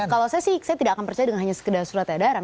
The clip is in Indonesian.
kalau saya sih saya tidak akan percaya dengan hanya sekedar surat edaran